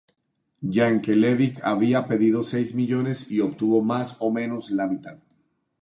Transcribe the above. Yankelevich había pedido seis millones y obtuvo más o menos la mitad.